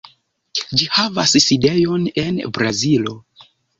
Ĝi havas sidejon en Brazilo.